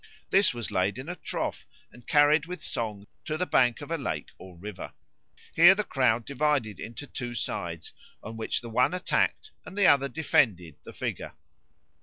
This was laid in a trough and carried with songs to the bank of a lake or river. Here the crowd divided into two sides, of which the one attacked and the other defended the figure.